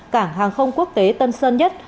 cảng hàng không quốc tế tân sơn nhất